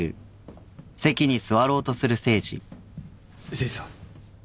誠司さん。